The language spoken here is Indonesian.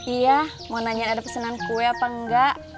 iya mau nanya ada pesenan kue apa enggak